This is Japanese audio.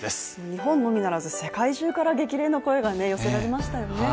日本のみならず、世界中から激励の声が寄せられましたよね。